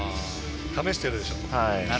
試しているんでしょう。